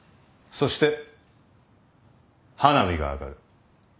そして花火が上がる。